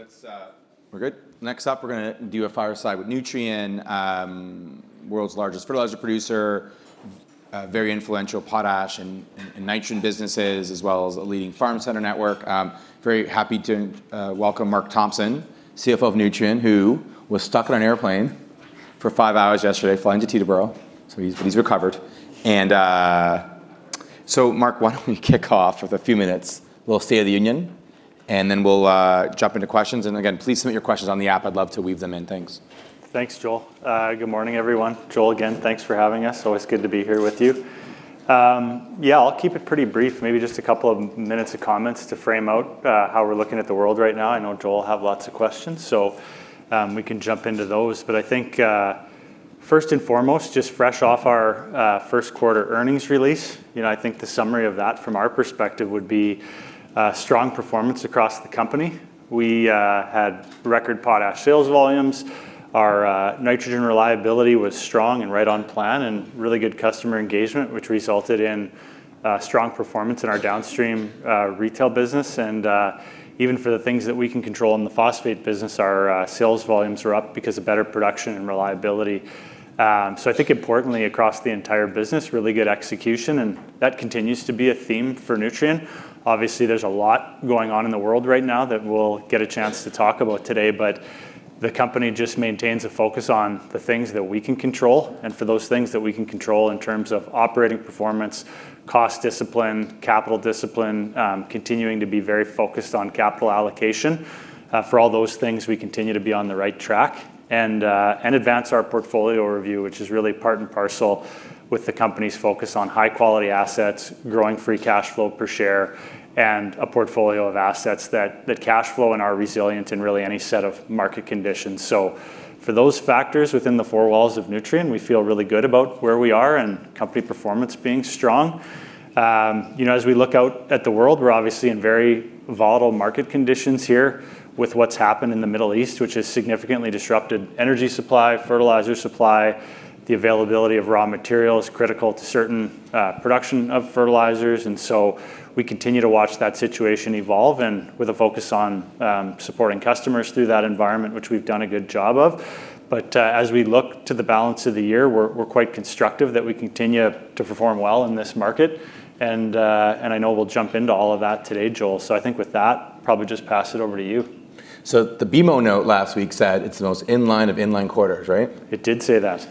Let's. We're good? Next up, we're gonna do a fireside with Nutrien, world's largest fertilizer producer, a very influential potash and nitrogen businesses, as well as a leading farm center network. Very happy to welcome Mark Thompson, CFO of Nutrien, who was stuck on an airplane for five hours yesterday flying to Teterboro, so he's recovered. Mark, why don't we kick off with a few minutes? Little state of the union and then we'll jump into questions. Again, please submit your questions on the app. I'd love to weave them in. Thanks. Thanks, Joel. Good morning everyone. Joel, again, thanks for having us. Always good to be here with you. Yeah, I'll keep it pretty brief, maybe just a couple of minutes of comments to frame out how we're looking at the world right now. I know Joel will have lots of questions. We can jump into those. I think, first and foremost, just fresh off our first quarter earnings release, you know, I think the summary of that from our perspective would be strong performance across the company. We had record potash sales volumes. Our nitrogen reliability was strong and right on plan, and really good customer engagement, which resulted in strong performance in our downstream retail business. Even for the things that we can control in the phosphate business, our sales volumes are up because of better production and reliability. I think importantly across the entire business, really good execution, and that continues to be a theme for Nutrien. Obviously, there's a lot going on in the world right now that we'll get a chance to talk about today, but the company just maintains a focus on the things that we can control, and for those things that we can control in terms of operating performance, cost discipline, capital discipline, continuing to be very focused on capital allocation. For all those things, we continue to be on the right track and advance our portfolio review, which is really part and parcel with the company's focus on high quality assets, growing free cash flow per share, and a portfolio of assets that cash flow and are resilient in really any set of market conditions. For those factors within the four walls of Nutrien, we feel really good about where we are and company performance being strong. You know, as we look out at the world, we're obviously in very volatile market conditions here with what's happened in the Middle East, which has significantly disrupted energy supply, fertilizer supply, the availability of raw materials critical to certain production of fertilizers. We continue to watch that situation evolve and with a focus on supporting customers through that environment, which we've done a good job of. As we look to the balance of the year, we're quite constructive that we continue to perform well in this market. I know we'll jump into all of that today, Joel. I think with that, probably just pass it over to you. The BMO note last week said it's the most in-line of in-line quarters, right? It did say that.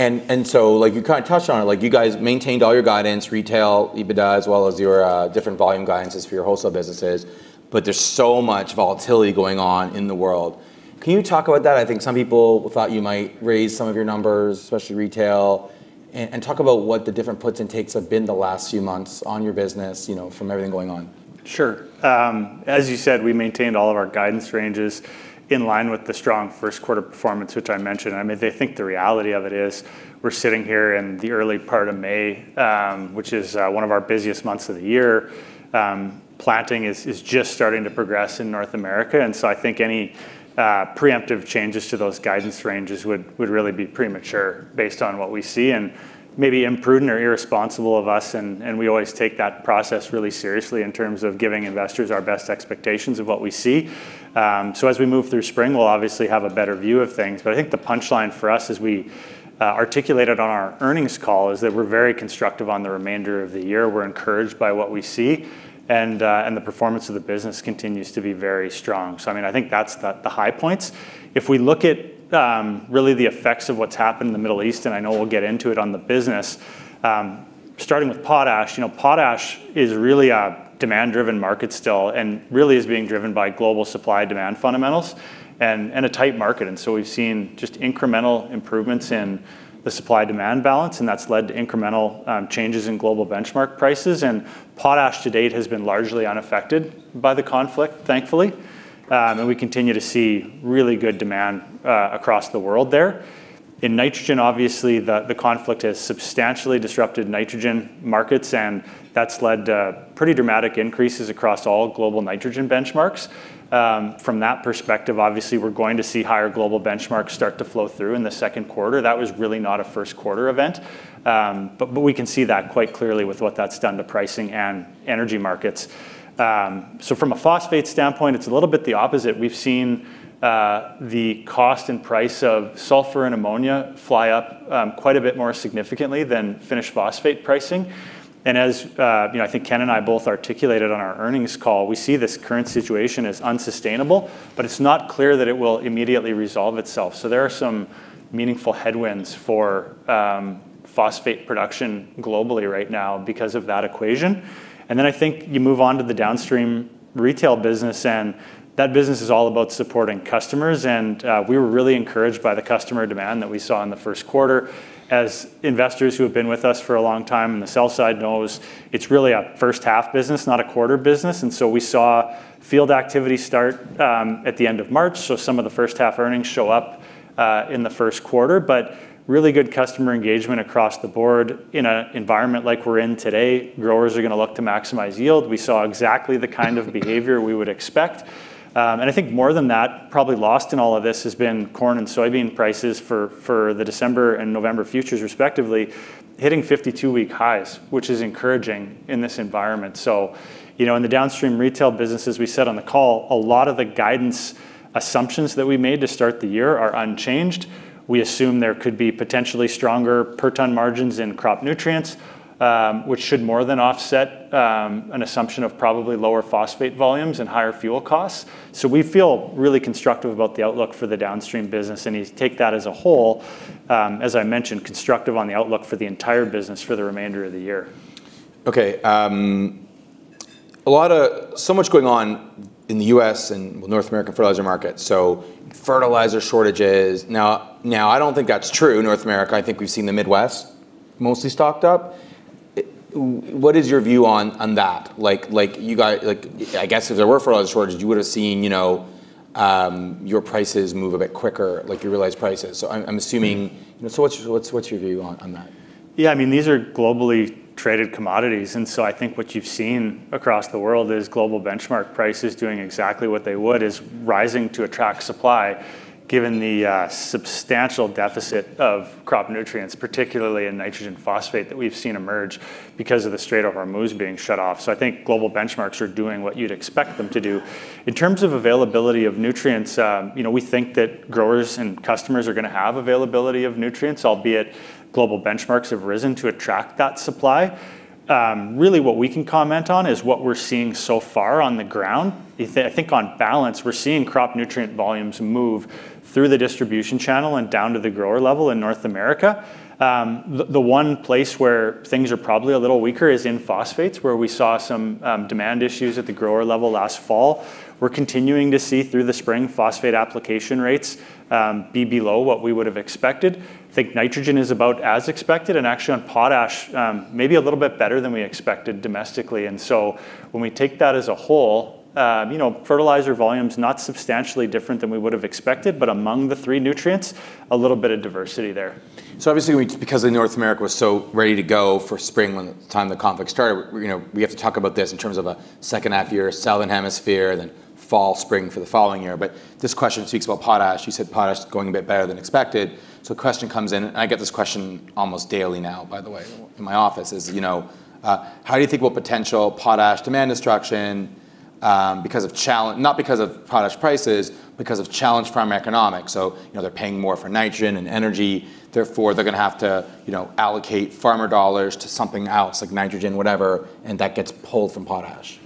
Like, you kind of touched on it, like, you guys maintained all your guidance, retail, EBITDA, as well as your different volume guidances for your wholesale businesses, but there's so much volatility going on in the world. Can you talk about that? I think some people thought you might raise some of your numbers, especially retail. Talk about what the different puts and takes have been the last few months on your business, you know, from everything going on? Sure. As you said, we maintained all of our guidance ranges in line with the strong first quarter performance, which I mentioned. I mean, I think the reality of it is we're sitting here in the early part of May, which is one of our busiest months of the year. Planting is just starting to progress in North America, I think any preemptive changes to those guidance ranges would really be premature based on what we see, and maybe imprudent or irresponsible of us, and we always take that process really seriously in terms of giving investors our best expectations of what we see. As we move through spring, we'll obviously have a better view of things. I think the punchline for us as we articulated on our earnings call is that we're very constructive on the remainder of the year. We're encouraged by what we see, and the performance of the business continues to be very strong. I mean, I think that's the high points. If we look at really the effects of what's happened in the Middle East, and I know we'll get into it on the business, starting with potash, you know, potash is really a demand-driven market still, and really is being driven by global supply-demand fundamentals and a tight market. We've seen just incremental improvements in the supply-demand balance, and that's led to incremental changes in global benchmark prices. Potash to date has been largely unaffected by the conflict, thankfully. We continue to see really good demand across the world there. In nitrogen, obviously, the conflict has substantially disrupted nitrogen markets, and that's led to pretty dramatic increases across all global nitrogen benchmarks. From that perspective, obviously, we're going to see higher global benchmarks start to flow through in the second quarter. That was really not a first quarter event. We can see that quite clearly with what that's done to pricing and energy markets. From a phosphate standpoint, it's a little bit the opposite. We've seen the cost and price of sulfur and ammonia fly up quite a bit more significantly than finished phosphate pricing. As, you know, I think Ken and I both articulated on our earnings call, we see this current situation as unsustainable, but it's not clear that it will immediately resolve itself. There are some meaningful headwinds for phosphate production globally right now because of that equation. I think you move on to the downstream retail business, and that business is all about supporting customers, and we were really encouraged by the customer demand that we saw in the first quarter. As investors who have been with us for a long time on the sell side knows, it's really a first half business, not a quarter business. We saw field activity start at the end of March, so some of the first half earnings show up in the first quarter. Really good customer engagement across the board. In a environment like we're in today, growers are gonna look to maximize yield. We saw exactly the kind of behavior we would expect. I think more than that, probably lost in all of this has been corn and soybean prices for the December and November futures respectively, hitting 52-week highs, which is encouraging in this environment. You know, in the downstream retail business, as we said on the call, a lot of the guidance assumptions that we made to start the year are unchanged. We assume there could be potentially stronger per ton margins in crop nutrients, which should more than offset an assumption of probably lower phosphate volumes and higher fuel costs. We feel really constructive about the outlook for the downstream business, and you take that as a whole, as I mentioned, constructive on the outlook for the entire business for the remainder of the year. Okay, much going on in the U.S. and North American fertilizer market. Fertilizer shortages. Now, I don't think that's true in North America. I think we've seen the Midwest mostly stocked up. What is your view on that? Like, you guys, I guess if there were fertilizer shortages, you would've seen, you know, your prices move a bit quicker, like your realized prices. I'm assuming- You know, what's your view on that? I mean, these are globally traded commodities. I think what you've seen across the world is global benchmark prices doing exactly what they would, is rising to attract supply given the substantial deficit of crop nutrients, particularly in nitrogen phosphate, that we've seen emerge because of the Strait of Hormuz being shut off. I think global benchmarks are doing what you'd expect them to do. In terms of availability of nutrients, you know, we think that growers and customers are gonna have availability of nutrients, albeit global benchmarks have risen to attract that supply. Really what we can comment on is what we're seeing so far on the ground. I think on balance we're seeing crop nutrient volumes move through the distribution channel and down to the grower level in North America. The one place where things are probably a little weaker is in phosphates, where we saw some demand issues at the grower level last fall. We're continuing to see through the spring phosphate application rates be below what we would have expected. I think nitrogen is about as expected, and actually on potash, maybe a little bit better than we expected domestically. When we take that as a whole, you know, fertilizer volume's not substantially different than we would've expected, but among the three nutrients, a little bit of diversity there. Obviously because North America was so ready to go for spring when the time the conflict started, you know, we have to talk about this in terms of a second half year Southern Hemisphere, then fall, spring for the following year. This question speaks about potash. You said potash is going a bit better than expected. The question comes in, and I get this question almost daily now, by the way, in my office, is, you know, how do you think about potential potash demand destruction, not because of potash prices, because of challenged farm economics? You know, they're paying more for nitrogen and energy, therefore they're gonna have to, you know, allocate farmer dollars to something else, like nitrogen, whatever, and that gets pulled from potash.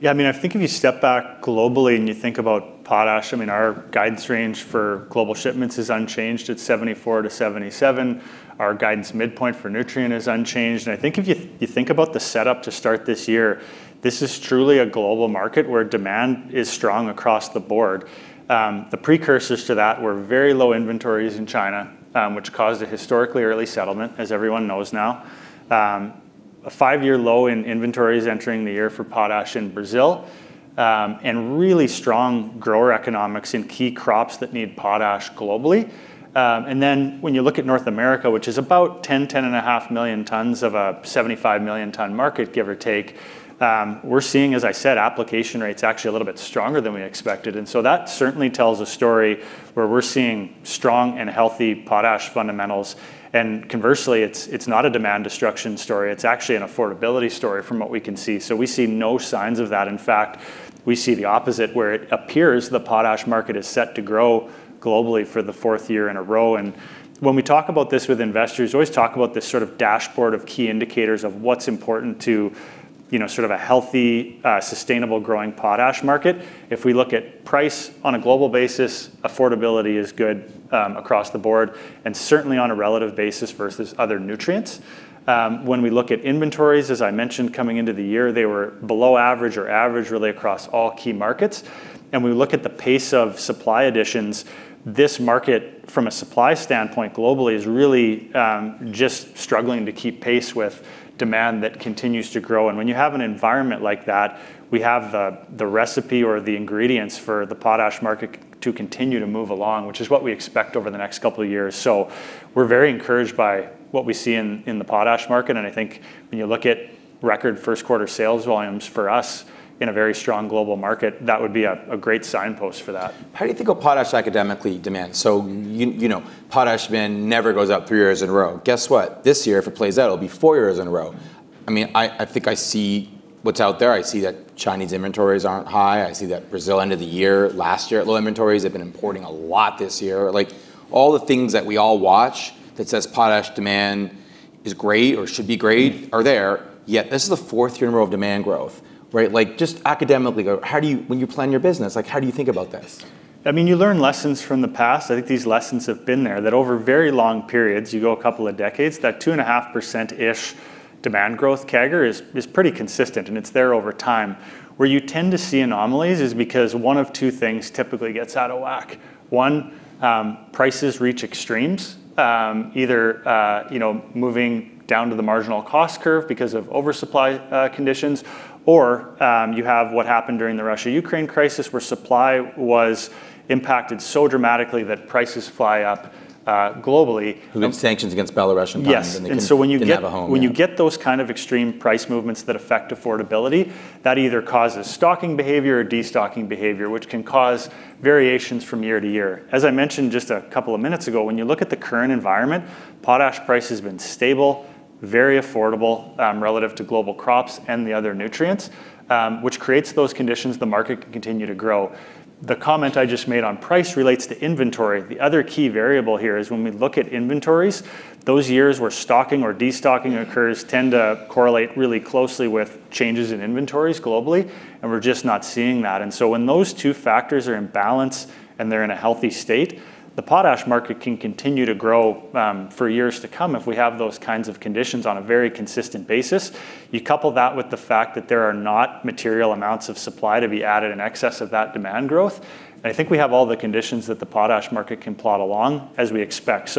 Yeah, I mean, I think if you step back globally and you think about potash, I mean, our guidance range for global shipments is unchanged at 74-77. Our guidance midpoint for Nutrien is unchanged. I think if you think about the setup to start this year, this is truly a global market where demand is strong across the board. The precursors to that were very low inventories in China, which caused a historically early settlement, as everyone knows now. A five-year low in inventories entering the year for potash in Brazil, and really strong grower economics in key crops that need potash globally. When you look at North America, which is about 10.5 million tons of a 75 million ton market, give or take, we're seeing, as I said, application rates actually a little bit stronger than we expected. That certainly tells a story where we're seeing strong and healthy potash fundamentals, and conversely it's not a demand destruction story. It's actually an affordability story from what we can see. We see no signs of that. In fact, we see the opposite, where it appears the potash market is set to grow globally for the 4th year in a row. When we talk about this with investors, we always talk about this sort of dashboard of key indicators of what's important to, you know, sort of a healthy, sustainable growing potash market. If we look at price on a global basis, affordability is good, across the board and certainly on a relative basis versus other nutrients. When we look at inventories, as I mentioned coming into the year, they were below average or average really across all key markets. When we look at the pace of supply additions, this market from a supply standpoint globally is really just struggling to keep pace with demand that continues to grow. When you have an environment like that, we have the recipe or the ingredients for the potash market to continue to move along, which is what we expect over the next couple of years. We're very encouraged by what we see in the potash market, and I think when you look at record first quarter sales volumes for us in a very strong global market, that would be a great signpost for that. How do you think of potash academically demand? You know, potash demand never goes up three years in a row. Guess what? This year if it plays out, it will be four years in a row. I mean, I think I see what's out there. I see that Chinese inventories are not high. I see that Brazil end of the year, last year at low inventories, they have been importing a lot this year. Like, all the things that we all watch that says potash demand is great or should be great are there, yet this is the fourth year in a row of demand growth, right? Like, just academically go, When you plan your business, like how do you think about this? I mean, you learn lessons from the past. I think these lessons have been there, that over very long periods, you go a couple of decades, that 2.5%-ish demand growth CAGR is pretty consistent, and it's there over time. Where you tend to see anomalies is because one of two things typically gets out of whack. One, prices reach extremes, either, you know, moving down to the marginal cost curve because of oversupply conditions, or, you have what happened during the Russia-Ukraine crisis, where supply was impacted so dramatically that prices fly up globally. With sanctions against Belarusian potash Yes and they can- And so when you get- didn't have a home, yeah. when you get those kind of extreme price movements that affect affordability, that either causes stocking behavior or de-stocking behavior, which can cause variations from year to year. As I mentioned just a couple of minutes ago, when you look at the current environment, potash price has been stable, very affordable, relative to global crops and the other nutrients, which creates those conditions the market can continue to grow. The comment I just made on price relates to inventory. The other key variable here is when we look at inventories, those years where stocking or de-stocking occurs tend to correlate really closely with changes in inventories globally, and we're just not seeing that. When those two factors are in balance and they're in a healthy state, the potash market can continue to grow for years to come if we have those kinds of conditions on a very consistent basis. You couple that with the fact that there are not material amounts of supply to be added in excess of that demand growth. I think we have all the conditions that the potash market can plod along as we expect.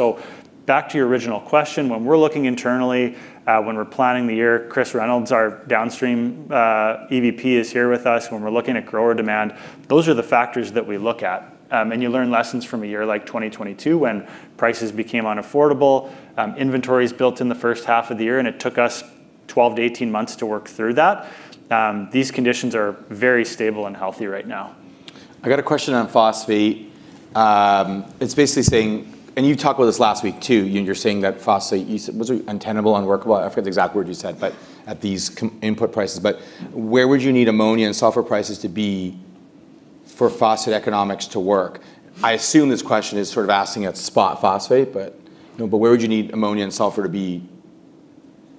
Back to your original question, when we're looking internally, when we're planning the year, Chris Reynolds, our downstream EVP, is here with us when we're looking at grower demand, those are the factors that we look at. You learn lessons from a year like 2022 when prices became unaffordable, inventories built in the first half of the year, and it took us 12 to 18 months to work through that. These conditions are very stable and healthy right now. I got a question on phosphate. It's basically saying you talked about this last week, too. You're saying that phosphate, was it untenable, unworkable? I forget the exact word you said, but at these input prices. Where would you need ammonia and sulfur prices to be for phosphate economics to work? I assume this question is sort of asking at spot phosphate, you know, where would you need ammonia and sulfur to be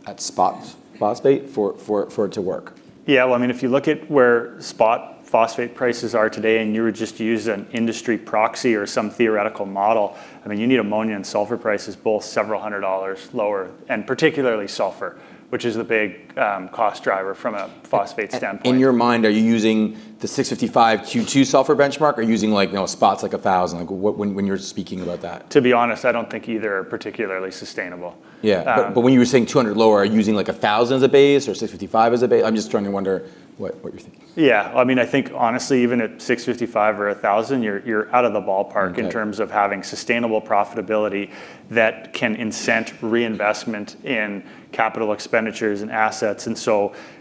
at spot phosphate for it to work? Yeah. Well, I mean, if you look at where spot phosphate prices are today, and you were just to use an industry proxy or some theoretical model, I mean, you need ammonia and sulfur prices both several hundred CAD lower, and particularly sulfur, which is the big cost driver from a phosphate standpoint. In your mind, are you using the 655 Q2 sulfur benchmark or using like, you know, spots like 1,000? Like, when you're speaking about that. To be honest, I don't think either are particularly sustainable. Yeah. When you were saying 200 lower, are you using like 1,000 as a base or 655 as a? I'm just trying to wonder what you're thinking. Yeah. Well, I mean, I think honestly even at 655 or 1,000, you're out of the ballpark. Okay in terms of having sustainable profitability that can incent reinvestment in capital expenditures and assets.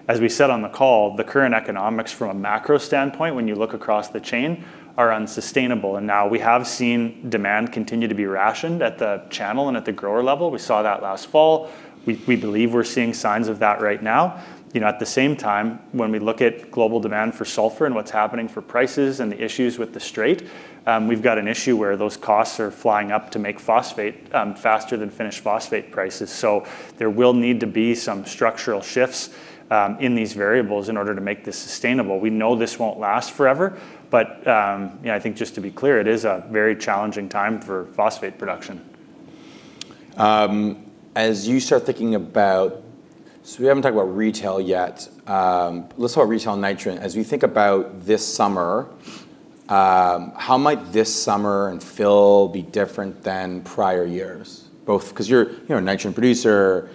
As we said on the call, the current economics from a macro standpoint, when you look across the chain, are unsustainable. We have seen demand continue to be rationed at the channel and at the grower level. We saw that last fall. We believe we're seeing signs of that right now. You know, at the same time, when we look at global demand for sulfur and what's happening for prices and the issues with the Strait, we've got an issue where those costs are flying up to make phosphate faster than finished phosphate prices. There will need to be some structural shifts in these variables in order to make this sustainable. We know this won't last forever, but, you know, I think just to be clear, it is a very challenging time for phosphate production. As you start thinking about we haven't talked about retail yet. Let's talk retail nitrogen. As we think about this summer, how might this summer in fill be different than prior years? Both because you're a nitrogen producer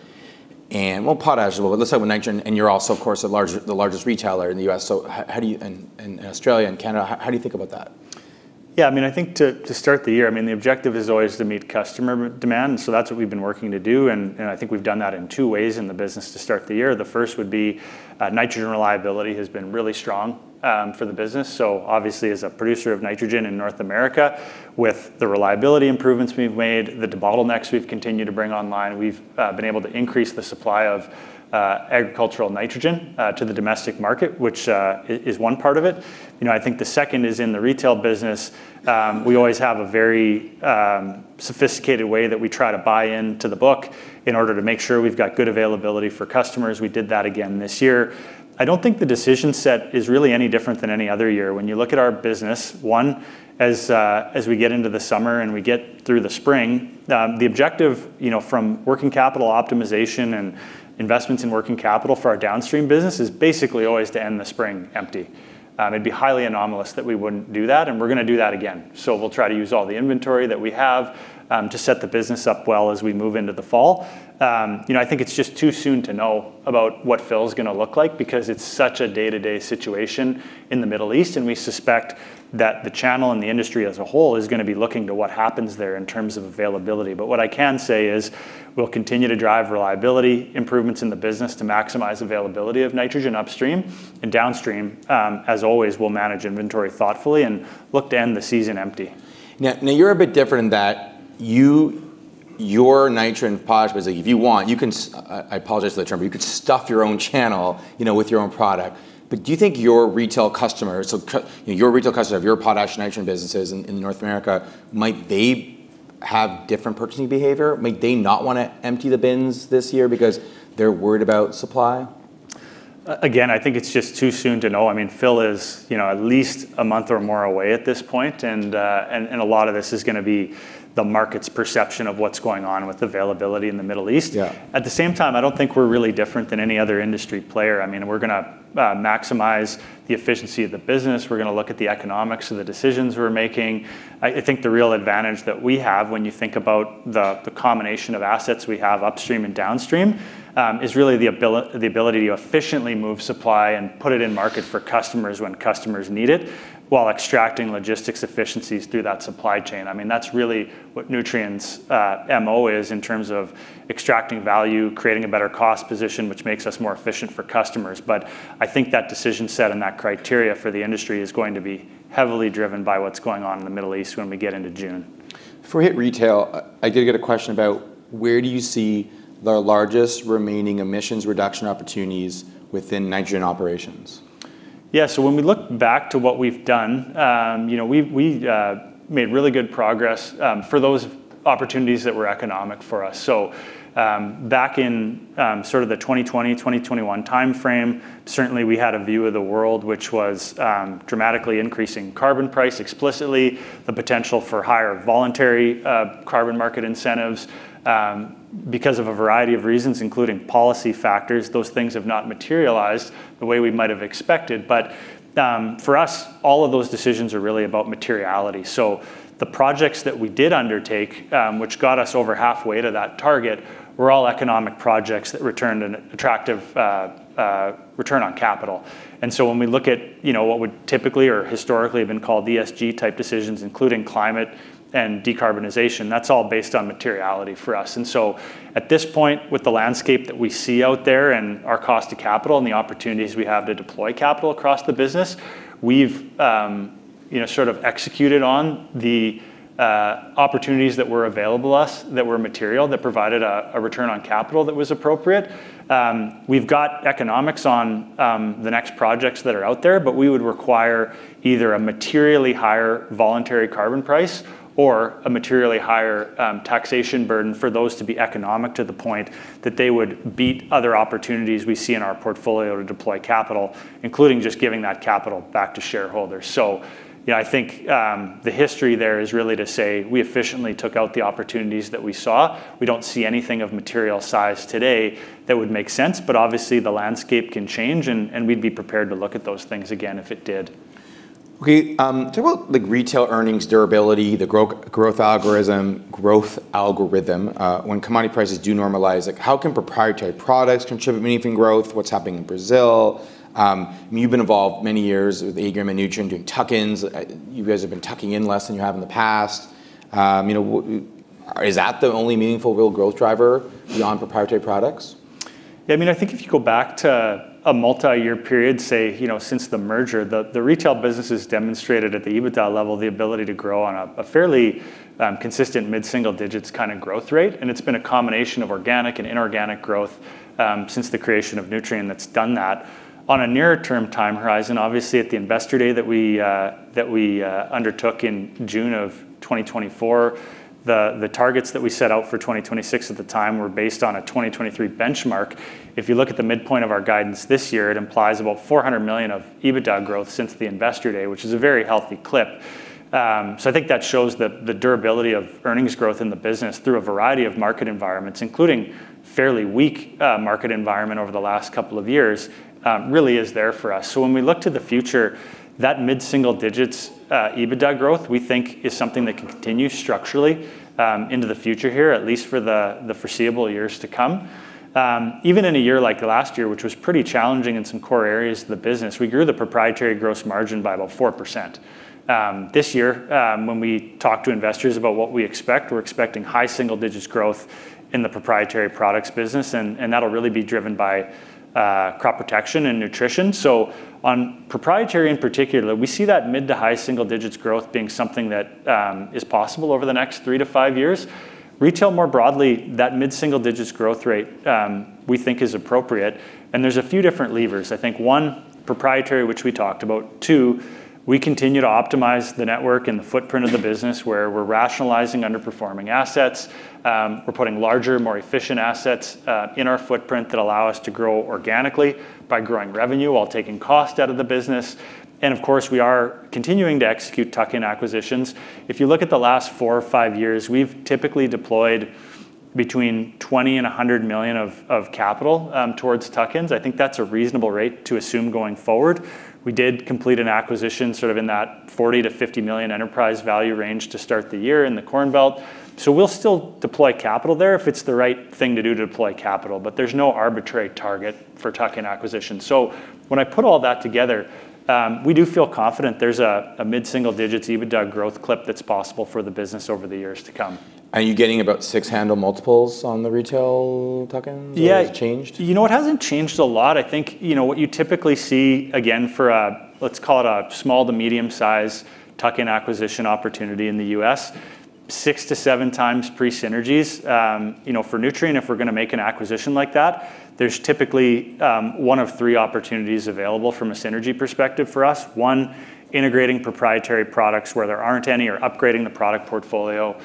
and, well, potash, well, let's talk about nitrogen, and you're also of course the largest retailer in the U.S., Australia, and Canada. How do you think about that? I mean, I think to start the year, the objective is always to meet customer demand. That's what we've been working to do, and I think we've done that in two ways in the business to start the year. The first would be, nitrogen reliability has been really strong for the business. Obviously, as a producer of nitrogen in North America, with the reliability improvements we've made, the bottlenecks we've continued to bring online, we've been able to increase the supply of agricultural nitrogen to the domestic market, which is one part of it. You know, I think the second is in the retail business, we always have a very sophisticated way that we try to buy into the book in order to make sure we've got good availability for customers. We did that again this year. I don't think the decision set is really any different than any other year. When you look at our business, one, as we get into the summer and we get through the spring, the objective, you know, from working capital optimization and investments in working capital for our downstream business is basically always to end the spring empty. It'd be highly anomalous that we wouldn't do that, and we're gonna do that again. We'll try to use all the inventory that we have to set the business up well as we move into the fall. You know, I think it's just too soon to know about what fill's gonna look like because it's such a day-to-day situation in the Middle East. We suspect that the channel and the industry as a whole is gonna be looking to what happens there in terms of availability. What I can say is we'll continue to drive reliability improvements in the business to maximize availability of nitrogen upstream and downstream. As always, we'll manage inventory thoughtfully and look to end the season empty. Now you're a bit different in that you, your nitrogen potash business, if you want, I apologize for that term, you could stuff your own channel, you know, with your own product. Do you think your retail customers, your retail customer of your potash and nitrogen businesses in North America, might they have different purchasing behavior? Might they not wanna empty the bins this year because they're worried about supply? Again, I think it's just too soon to know. I mean, fill is, you know, at least a month or more away at this point, and a lot of this is gonna be the market's perception of what's going on with availability in the Middle East. Yeah. At the same time, I don't think we're really different than any other industry player. I mean, we're gonna maximize the efficiency of the business. We're gonna look at the economics of the decisions we're making. I think the real advantage that we have when you think about the combination of assets we have upstream and downstream, is really the ability to efficiently move supply and put it in market for customers when customers need it, while extracting logistics efficiencies through that supply chain. I mean, that's really what Nutrien's MO is in terms of extracting value, creating a better cost position, which makes us more efficient for customers. I think that decision set and that criteria for the industry is going to be heavily driven by what's going on in the Middle East when we get into June. Before we hit retail, I did get a question about where do you see the largest remaining emissions reduction opportunities within nitrogen operations? When we look back to what we've done, you know, we've made really good progress for those opportunities that were economic for us. Back in sort of the 2020, 2021 timeframe, certainly we had a view of the world which was dramatically increasing carbon price explicitly, the potential for higher voluntary carbon market incentives. Because of a variety of reasons, including policy factors, those things have not materialized. The way we might have expected. For us, all of those decisions are really about materiality. The projects that we did undertake, which got us over halfway to that target, were all economic projects that returned an attractive return on capital. When we look at, you know, what would typically or historically have been called ESG type decisions, including climate and decarbonization, that's all based on materiality for us. At this point, with the landscape that we see out there and our cost to capital and the opportunities we have to deploy capital across the business, we've, you know, sort of executed on the opportunities that were available to us that were material, that provided a return on capital that was appropriate. We've got economics on the next projects that are out there, but we would require either a materially higher voluntary carbon price or a materially higher taxation burden for those to be economic to the point that they would beat other opportunities we see in our portfolio to deploy capital, including just giving that capital back to shareholders. You know, I think, the history there is really to say we efficiently took out the opportunities that we saw. We don't see anything of material size today that would make sense. Obviously the landscape can change and we'd be prepared to look at those things again if it did. Okay. Talk about like retail earnings durability, the growth algorithm. When commodity prices do normalize, like how can proprietary products contribute meaningful growth? What's happening in Brazil? I mean, you've been involved many years with the Agrium and Nutrien doing tuck-ins. You guys have been tucking in less than you have in the past. You know, is that the only meaningful real growth driver beyond proprietary products? Yeah, I mean, I think if you go back to a multi-year period, say, you know, since the merger, the retail business has demonstrated at the EBITDA level the ability to grow on a fairly consistent mid-single digits kind of growth rate. It's been a combination of organic and inorganic growth since the creation of Nutrien that's done that. On a nearer term time horizon, obviously at the investor day that we undertook in June of 2024, the targets that we set out for 2026 at the time were based on a 2023 benchmark. If you look at the midpoint of our guidance this year, it implies about 400 million of EBITDA growth since the investor day, which is a very healthy clip. I think that shows the durability of earnings growth in the business through a variety of market environments, including fairly weak market environment over the last couple of years, really is there for us. When we look to the future, that mid-single digits EBITDA growth, we think is something that can continue structurally into the future here, at least for the foreseeable years to come. Even in a year like last year, which was pretty challenging in some core areas of the business, we grew the proprietary gross margin by about 4%. This year, when we talk to investors about what we expect, we're expecting high single digits growth in the proprietary products business, and that'll really be driven by crop protection and nutrition. On proprietary in particular, we see that mid to high single digits growth being something that is possible over the next three to five years. Retail more broadly, that mid-single digits growth rate, we think is appropriate, and there's a few different levers. I think, one, proprietary, which we talked about. Two, we continue to optimize the network and the footprint of the business where we're rationalizing underperforming assets. We're putting larger, more efficient assets in our footprint that allow us to grow organically by growing revenue while taking cost out of the business. Of course, we are continuing to execute tuck-in acquisitions. If you look at the last four or five years, we've typically deployed between 20 million and 100 million of capital towards tuck-ins. I think that's a reasonable rate to assume going forward. We did complete an acquisition sort of in that 40 million-50 million enterprise value range to start the year in the Corn Belt. We'll still deploy capital there if it's the right thing to do to deploy capital. There's no arbitrary target for tuck-in acquisition. When I put all that together, we do feel confident there's a mid-single digits EBITDA growth clip that's possible for the business over the years to come. Are you getting about six handle multiples on the retail tuck-ins? Yeah. Has it changed? You know, it hasn't changed a lot. I think, you know, what you typically see again for a, let's call it a small to medium size tuck-in acquisition opportunity in the U.S., 6x-7x synergies. You know, for Nutrien, if we're gonna make an acquisition like that, there's typically one of three opportunities available from a synergy perspective for us. One, integrating proprietary products where there aren't any or upgrading the product portfolio.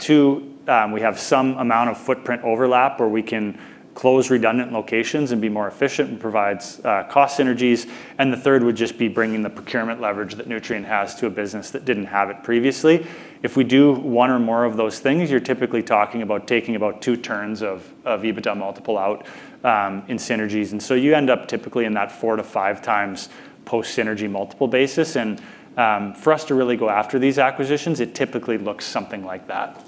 Two, we have some amount of footprint overlap where we can close redundant locations and be more efficient and provides cost synergies. The third would just be bringing the procurement leverage that Nutrien has to a business that didn't have it previously. If we do one or more of those things, you're typically talking about taking about two turns of EBITDA multiple out in synergies. You end up typically in that 4x-5x post synergy multiple basis. For us to really go after these acquisitions, it typically looks something like that.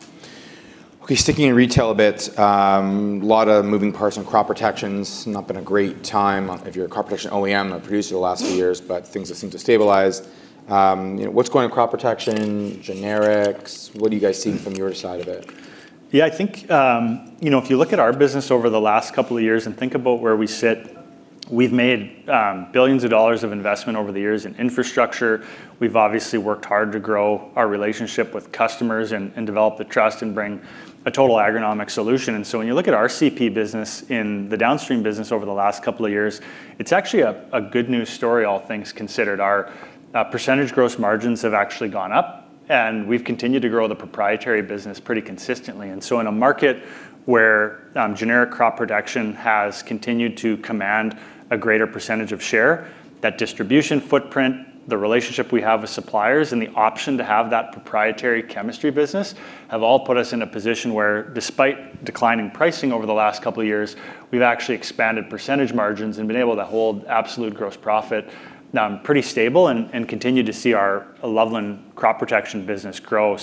Okay, sticking in retail a bit, lot of moving parts and crop protection's not been a great time if you're a crop protection OEM or producer the last few years, but things have seemed to stabilize. You know, what's going on crop protection, generics? What do you guys see from your side of it? Yeah, I think, you know, if you look at our business over the last couple of years and think about where we sit. We've made billions of dollars of investment over the years in infrastructure. We've obviously worked hard to grow our relationship with customers and develop the trust and bring a total agronomic solution. When you look at our CP business in the downstream business over the last couple of years, it's actually a good news story all things considered. Our percentage gross margins have actually gone up, and we've continued to grow the proprietary business pretty consistently. In a market where generic crop protection has continued to command a greater percentage of share, that distribution footprint, the relationship we have with suppliers, and the option to have that proprietary chemistry business have all put us in a position where despite declining pricing over the last couple of years, we've actually expanded percentage margins and been able to hold absolute gross profit pretty stable and continue to see our Loveland crop protection business grow.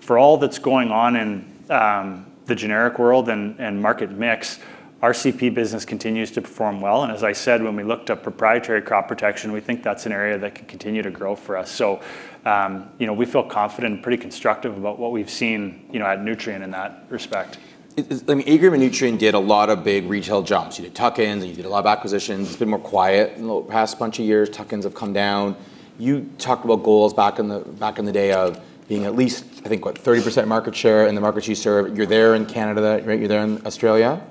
For all that's going on in the generic world and market mix, our CP business continues to perform well. As I said, when we looked at proprietary crop protection, we think that's an area that can continue to grow for us. You know, we feel confident and pretty constructive about what we've seen, you know, at Nutrien in that respect. I mean, Agrium and Nutrien did a lot of big retail jumps. You did tuck-ins, and you did a lot of acquisitions. It's been more quiet in the past bunch of years. Tuck-ins have come down. You talked about goals back in the day of being at least, I think, what, 30% market share in the markets you serve. You're there in Canada. Right? You're there in Australia.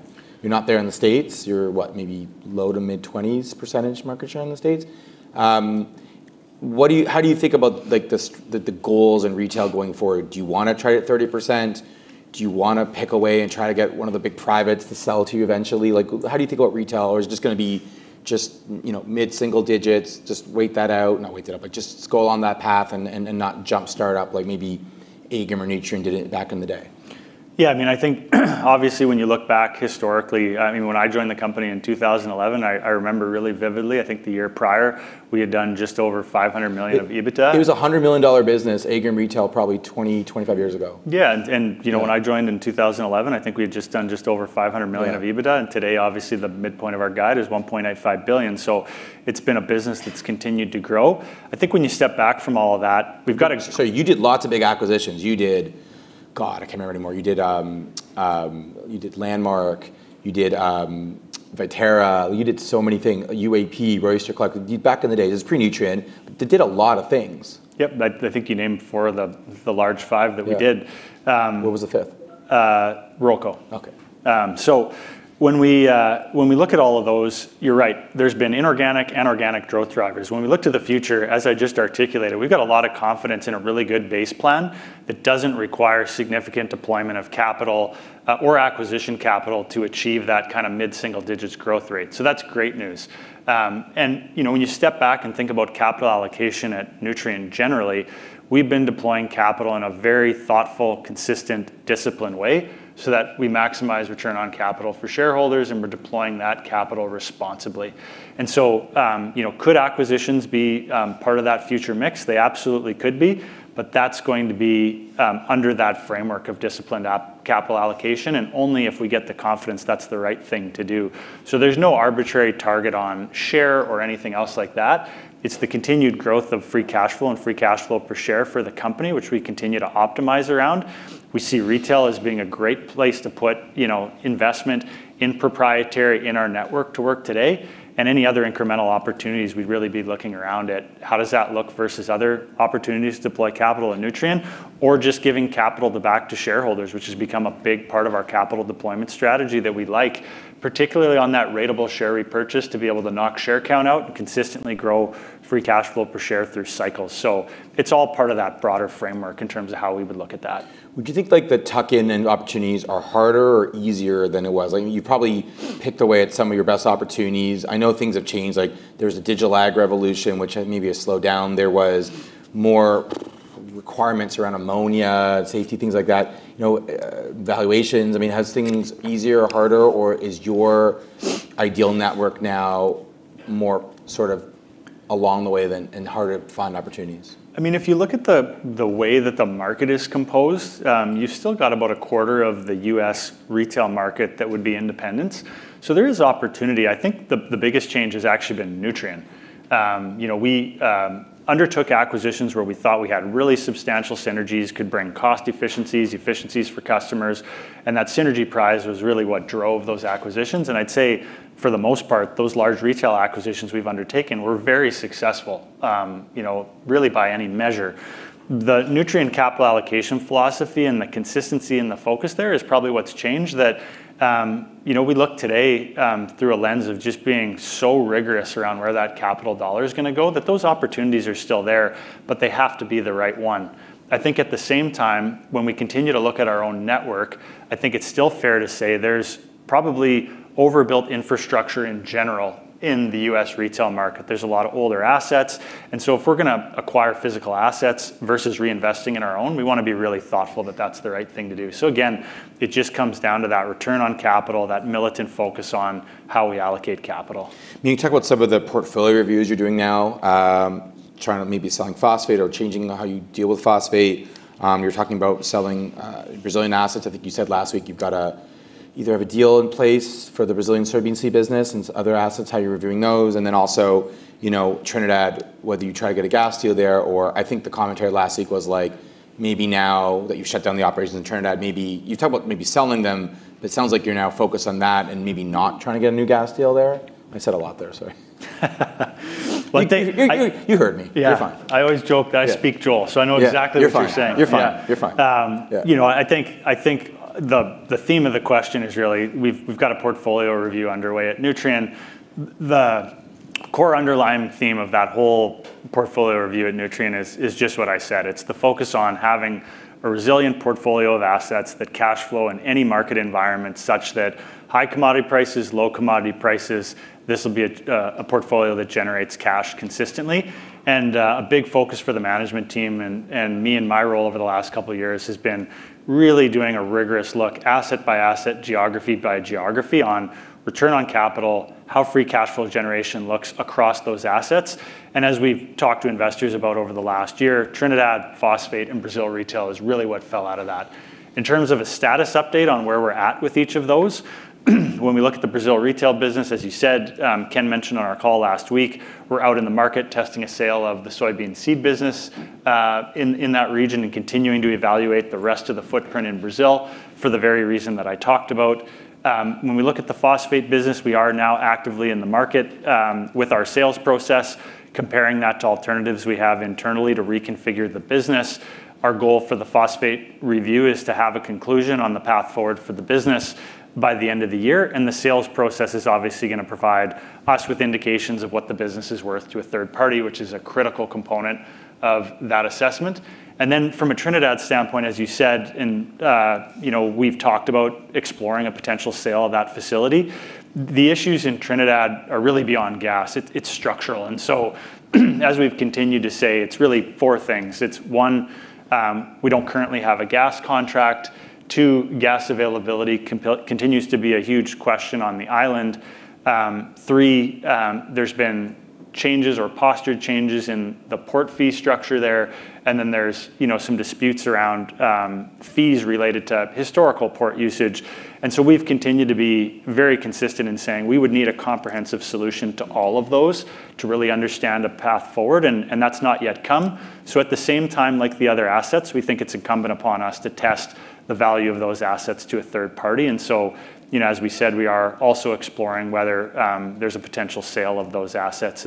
You're not there in the States. You're what, maybe low to mid 20s% market share in the States. What do you How do you think about, like, the goals in retail going forward? Do you wanna try to hit 30%? Do you wanna pick away and try to get one of the big privates to sell to you eventually? Like, how do you think about retail? Is it just going to be just, you know, mid-single digits, just wait that out? Not wait that out, just go along that path and not jumpstart up like maybe Agrium or Nutrien did it back in the day? Yeah, I mean, I think obviously when you look back historically, I mean, when I joined the company in 2011, I remember really vividly, I think the year prior, we had done just over 500 million of EBITDA. It was 100 million dollar business, Agrium Retail, probably 20, 25 years ago. Yeah. You know, when I joined in 2011, I think we had just done just over 500 million of EBITDA. Yeah. Today, obviously, the midpoint of our guide is 1.95 billion. It's been a business that's continued to grow. I think when you step back from all of that, we've got You did lots of big acquisitions. You did God, I can't remember anymore. You did, you did Landmark, you did Viterra. You did so many thing. UAP, Royster-Clark. Back in the day. This is pre-Nutrien, they did a lot of things. Yep. I think you named four of the large five that we did. Yeah. Um- What was the fifth? Ruralco. Okay. When we look at all of those, you're right. There's been inorganic and organic growth drivers. When we look to the future, as I just articulated, we've got a lot of confidence in a really good base plan that doesn't require significant deployment of capital or acquisition capital to achieve that kind of mid-single-digit growth rate. That's great news. You know, when you step back and think about capital allocation at Nutrien generally, we've been deploying capital in a very thoughtful, consistent, disciplined way so that we maximize return on capital for shareholders, and we're deploying that capital responsibly. You know, could acquisitions be part of that future mix? They absolutely could be, but that's going to be under that framework of disciplined capital allocation and only if we get the confidence that's the right thing to do. There's no arbitrary target on share or anything else like that. It's the continued growth of free cash flow and free cash flow per share for the company, which we continue to optimize around. We see retail as being a great place to put, you know, investment in proprietary in our network to work today. Any other incremental opportunities, we'd really be looking around at how does that look versus other opportunities to deploy capital in Nutrien, or just giving capital back to shareholders, which has become a big part of our capital deployment strategy that we like, particularly on that ratable share repurchase to be able to knock share count out and consistently grow free cash flow per share through cycles. It's all part of that broader framework in terms of how we would look at that. Would you think, like, the tuck-in and opportunities are harder or easier than it was? I mean, you probably picked away at some of your best opportunities. I know things have changed. Like, there's a digital ag revolution, which had maybe a slowdown. There was more requirements around ammonia safety, things like that. You know, valuations. I mean, has things easier or harder, or is your ideal network now more sort of along the way than and harder to find opportunities? I mean, if you look at the way that the market is composed, you've still got about a quarter of the U.S. retail market that would be independents. There is opportunity. I think the biggest change has actually been Nutrien. You know, we undertook acquisitions where we thought we had really substantial synergies, could bring cost efficiencies for customers, and that synergy prize was really what drove those acquisitions. I'd say for the most part, those large retail acquisitions we've undertaken were very successful, you know, really by any measure. The Nutrien capital allocation philosophy and the consistency and the focus there is probably what's changed that, you know, we look today through a lens of just being so rigorous around where that capital dollar is gonna go, that those opportunities are still there, but they have to be the right one. I think at the same time, when we continue to look at our own network, I think it's still fair to say there's probably overbuilt infrastructure in general in the U.S. retail market. There's a lot of older assets, and so if we're gonna acquire physical assets versus reinvesting in our own, we wanna be really thoughtful that that's the right thing to do. Again, it just comes down to that return on capital, that militant focus on how we allocate capital. Can you talk about some of the portfolio reviews you're doing now? Trying to maybe selling phosphate or changing how you deal with phosphate. You're talking about selling Brazilian assets. I think you said last week you've got Either have a deal in place for the Brazilian soybean seed business and other assets, how you're reviewing those. Then also, you know, Trinidad, whether you try to get a gas deal there, or I think the commentary last week was, like, now that you've shut down the operations in Trinidad, You've talked about maybe selling them, but it sounds like you're now focused on that and maybe not trying to get a new gas deal there. I said a lot there, sorry. One thing- You heard me. Yeah. You're fine. I always joke that. Yeah I speak Joel, so I know exactly- Yeah, you're fine. what you're saying. You're fine. Yeah. You're fine. Um- Yeah you know, I think the theme of the question is really we've got a portfolio review underway at Nutrien. The core underlying theme of that whole portfolio review at Nutrien is just what I said. It's the focus on having a resilient portfolio of assets that cashflow in any market environment such that high commodity prices, low commodity prices, this'll be a portfolio that generates cash consistently. A big focus for the management team and me in my role over the last couple years has been really doing a rigorous look, asset by asset, geography by geography, on return on capital, how free cash flow generation looks across those assets. As we've talked to investors about over the last year, Trinidad phosphate and Brazil retail is really what fell out of that. In terms of a status update on where we're at with each of those, when we look at the Brazil retail business, as you said, Ken mentioned on our call last week, we're out in the market testing a sale of the soybean seed business in that region, and continuing to evaluate the rest of the footprint in Brazil for the very reason that I talked about. When we look at the phosphate business, we are now actively in the market with our sales process, comparing that to alternatives we have internally to reconfigure the business. Our goal for the phosphate review is to have a conclusion on the path forward for the business by the end of the year, the sales process is obviously going to provide us with indications of what the business is worth to a third party, which is a critical component of that assessment. From a Trinidad standpoint, as you said, you know, we've talked about exploring a potential sale of that facility. The issues in Trinidad are really beyond gas. It's structural. As we've continued to say, it's really four things. It's, one, we don't currently have a gas contract. two, gas availability continues to be a huge question on the island. Three, there's been changes or posture changes in the port fee structure there, and then there's, you know, some disputes around fees related to historical port usage. We've continued to be very consistent in saying we would need a comprehensive solution to all of those to really understand a path forward, and that's not yet come. At the same time, like the other assets, we think it's incumbent upon us to test the value of those assets to a third party. You know, as we said, we are also exploring whether there's a potential sale of those assets.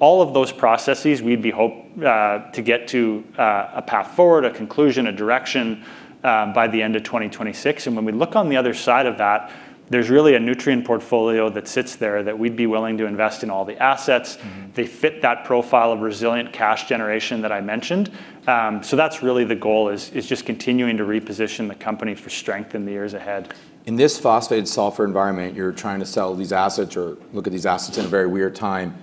All of those processes we'd be hope- to get to a path forward, a conclusion, a direction by the end of 2026. When we look on the other side of that, there's really a Nutrien portfolio that sits there that we'd be willing to invest in all the assets. They fit that profile of resilient cash generation that I mentioned. That's really the goal is just continuing to reposition the company for strength in the years ahead. In this phosphate and sulfur environment, you're trying to sell these assets or look at these assets in a very weird time.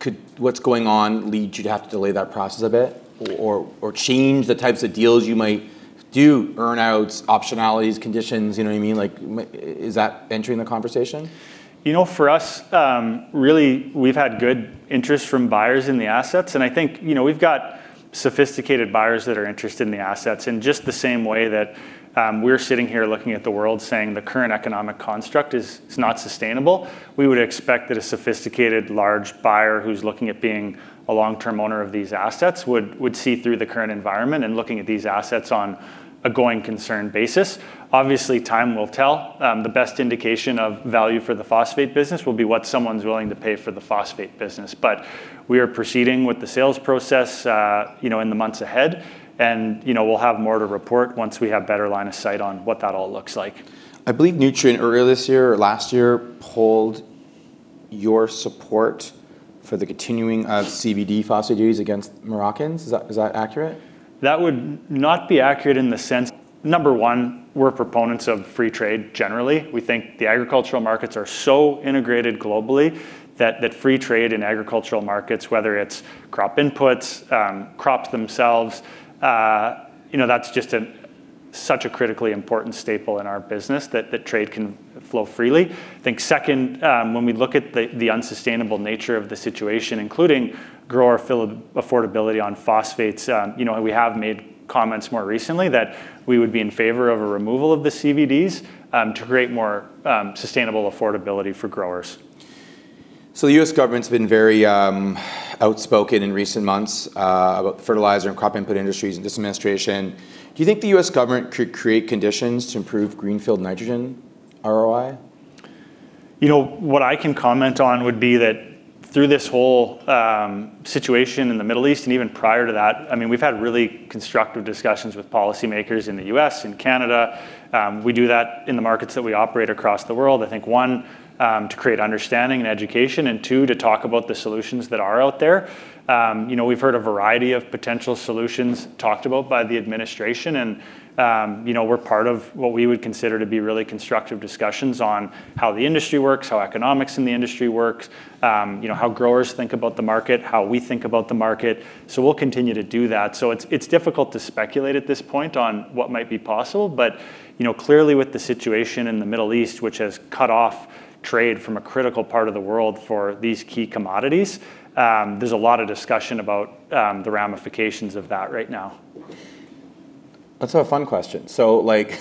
Could what's going on lead you to have to delay that process a bit or change the types of deals you might do? Earn-outs, optionalities, conditions, you know what I mean? Like, is that entering the conversation? You know, for us, really we've had good interest from buyers in the assets and I think, you know, we've got sophisticated buyers that are interested in the assets in just the same way that, we're sitting here looking at the world saying the current economic construct is not sustainable. We would expect that a sophisticated large buyer who's looking at being a long-term owner of these assets would see through the current environment in looking at these assets on a going concern basis. Obviously, time will tell. The best indication of value for the phosphate business will be what someone's willing to pay for the phosphate business. We are proceeding with the sales process, you know, in the months ahead and, you know, we'll have more to report once we have better line of sight on what that all looks like. I believe Nutrien earlier this year or last year pulled your support for the continuing of CVD phosphate duties against Moroccans. Is that accurate? That would not be accurate in the sense, number one, we're proponents of free trade generally. We think the agricultural markets are so integrated globally that free trade in agricultural markets, whether it's crop inputs, crops themselves, you know, that's just such a critically important staple in our business that trade can flow freely. I think second, when we look at the unsustainable nature of the situation, including grower affordability on phosphates, you know, we have made comments more recently that we would be in favor of a removal of the CVDs, to create more sustainable affordability for growers. The U.S. government's been very outspoken in recent months about the fertilizer and crop input industries and this administration. Do you think the U.S. government could create conditions to improve greenfield nitrogen ROI? You know, what I can comment on would be that through this whole situation in the Middle East, and even prior to that, I mean, we've had really constructive discussions with policymakers in the U.S., in Canada. We do that in the markets that we operate across the world, I think, one, to create understanding and education, and two, to talk about the solutions that are out there. You know, we've heard a variety of potential solutions talked about by the administration and, you know, we're part of what we would consider to be really constructive discussions on how the industry works, how economics in the industry works, you know, how growers think about the market, how we think about the market. We'll continue to do that. It's difficult to speculate at this point on what might be possible but, you know, clearly with the situation in the Middle East, which has cut off trade from a critical part of the world for these key commodities, there's a lot of discussion about the ramifications of that right now. Let's have a fun question. Like,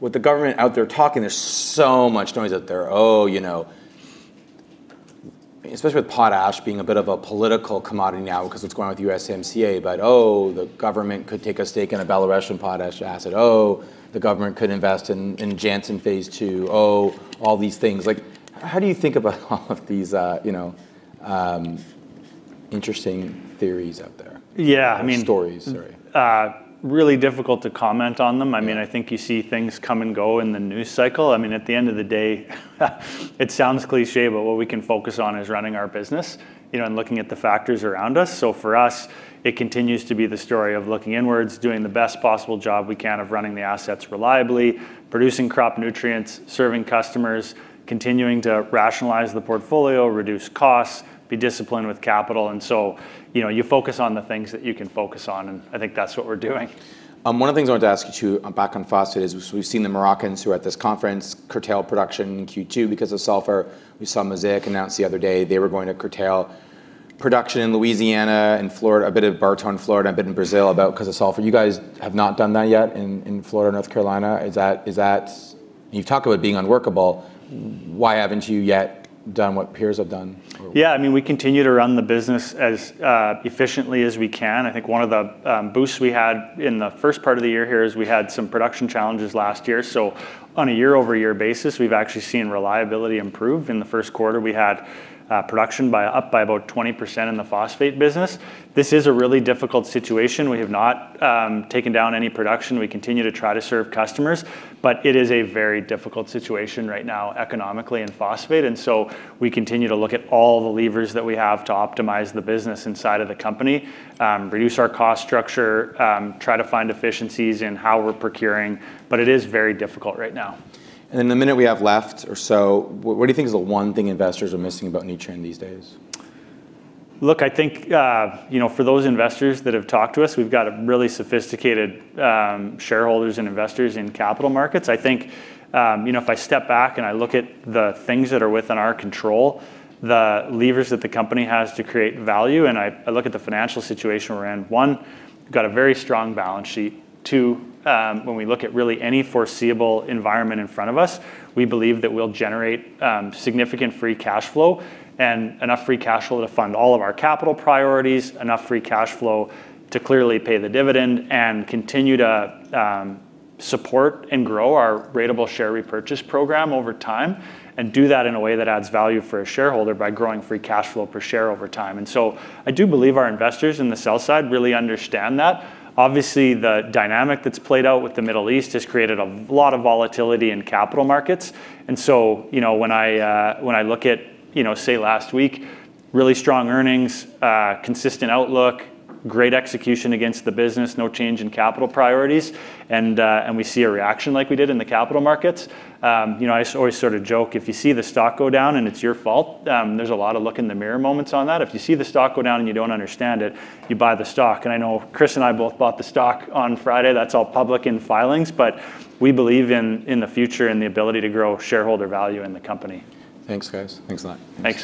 with the government out there talking, there's so much noise out there. You know, especially with potash being a bit of a political commodity now, because it's going with USMCA, but the government could take a stake in a Belarusian potash asset. The government could invest in Jansen Stage Two. All these things. Like, how do you think about all of these, you know, interesting theories out there? Yeah, I mean- Stories, sorry. really difficult to comment on them. Yeah. I mean, I think you see things come and go in the news cycle. I mean, at the end of the day, it sounds cliché, but what we can focus on is running our business, you know, and looking at the factors around us. For us, it continues to be the story of looking inwards, doing the best possible job we can of running the assets reliably, producing crop nutrients, serving customers, continuing to rationalize the portfolio, reduce costs, be disciplined with capital. You know, you focus on the things that you can focus on, and I think that's what we're doing. One of the things I wanted to ask you back on phosphate is we've seen the Moroccans who are at this conference curtail production in Q2 because of sulfur. We saw Mosaic announce the other day they were going to curtail production in Louisiana and Florida, a bit at Bartow in Florida and a bit in Brazil about 'cause of sulfur. You guys have not done that yet in Florida, North Carolina. You've talked about it being unworkable. Why haven't you yet done what peers have done or? I mean, we continue to run the business as efficiently as we can. I think one of the boosts we had in the first part of the year here is we had some production challenges last year. On a year-over-year basis, we've actually seen reliability improve. In the first quarter, we had production up by about 20% in the phosphate business. This is a really difficult situation. We have not taken down any production. We continue to try to serve customers. It is a very difficult situation right now economically in phosphate, and so we continue to look at all the levers that we have to optimize the business inside of the company, reduce our cost structure, try to find efficiencies in how we're procuring, but it is very difficult right now. In the minute we have left or so, what do you think is the one thing investors are missing about Nutrien these days? Look, I think, you know, for those investors that have talked to us, we've got a really sophisticated shareholders and investors in capital markets. I think, you know, if I step back and I look at the things that are within our control, the levers that the company has to create value, and I look at the financial situation we're in, one, got a very strong balance sheet. Two, when we look at really any foreseeable environment in front of us, we believe that we'll generate significant free cash flow and enough free cash flow to fund all of our capital priorities, enough free cash flow to clearly pay the dividend and continue to support and grow our ratable share repurchase program over time and do that in a way that adds value for a shareholder by growing free cash flow per share over time. I do believe our investors in the sell side really understand that. Obviously, the dynamic that's played out with the Middle East has created a lot of volatility in capital markets. You know, when I, when I look at, you know, say last week, really strong earnings, consistent outlook, great execution against the business, no change in capital priorities, we see a reaction like we did in the capital markets. You know, I always sort of joke, if you see the stock go down and it's your fault, there's a lot of look in the mirror moments on that. If you see the stock go down and you don't understand it, you buy the stock. I know Chris and I both bought the stock on Friday. That's all public in filings. We believe in the future and the ability to grow shareholder value in the company. Thanks, guys. Thanks a lot. Thanks.